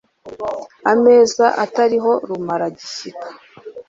ameza atariho rumaragishyika